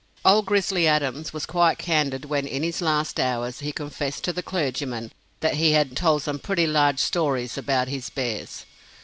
"Old Grizzly Adams" was quite candid when, in his last hours, he confessed to the clergyman that he had "told some pretty large stories about his bears."